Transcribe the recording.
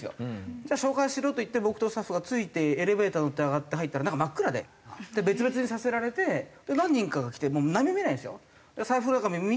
じゃあ紹介するよと言って僕とスタッフがついてエレベーター乗って上がって入ったら中真っ暗でで別々にさせられて何人かが来てもうなんにも見えないんですよ。